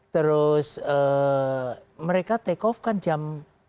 terus mereka take off kan jam